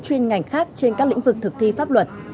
chuyên ngành khác trên các lĩnh vực thực thi pháp luật